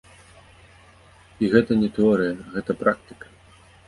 І гэта не тэорыя, гэта практыка.